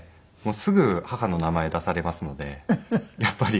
すぐ母の名前出されますのでやっぱり。